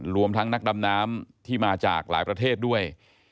รวมทั้งนักดำน้ำที่มาจากหลายประเทศด้วย